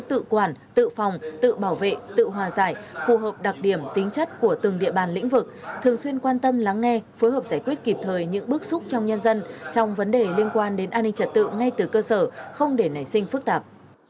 tự quản tự phòng tự bảo vệ tự hòa giải phù hợp đặc điểm tính chất của từng địa bàn lĩnh vực thường xuyên quan tâm lắng nghe phối hợp giải quyết kịp thời những bước xúc trong nhân dân trong vấn đề liên quan đến an ninh trật tự ngay từ cơ sở không để nảy sinh phức tạp